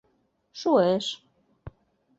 — Шуэш...